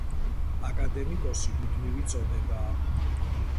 აკადემიკოსი მუდმივი წოდებაა.